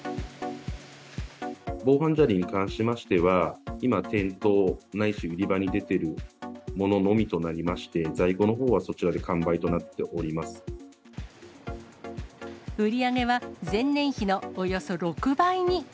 防犯砂利に関しましては、今、店頭ないし売り場に出ているもののみとなりまして、在庫のほうは売り上げは前年比のおよそ６倍に。